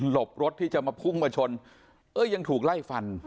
บรถที่จะมาพุ่งมาชนเอ้ยยังถูกไล่ฟัน